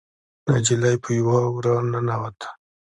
نجلۍ په يوه وره ننوته.